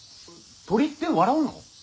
鳥って笑うの？